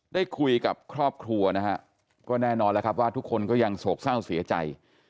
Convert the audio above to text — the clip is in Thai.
ได้คุยกับครอบครัวนะฮะก็แน่นอนแล้วครับว่าทุกคนก็ยังโศกเศร้าเสียใจ